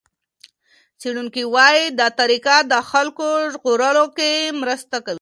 څېړونکي وايي دا طریقه د خلکو ژغورلو کې مرسته کوي.